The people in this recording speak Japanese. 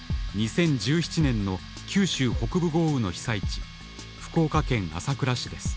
２０１７年の九州北部豪雨の被災地福岡県朝倉市です。